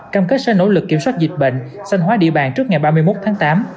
cam kết sẽ nỗ lực kiểm soát dịch bệnh xanh hóa địa bàn trước ngày ba mươi một tháng tám